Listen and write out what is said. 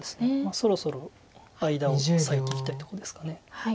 そろそろ間を裂いていきたいとこですか。